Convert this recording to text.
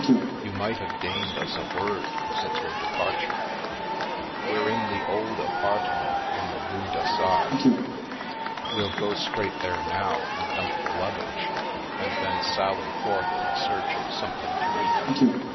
"You might have deigned us a word since your departure." " We're in the old apartment in the Rue d'Assas. We'll go straight there now and dump the luggage, and then sally forth in search of something to eat.